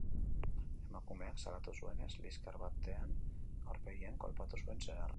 Emakumeak salatu zuenez, liskar batean aurpegian kolpatu zuen senarrak.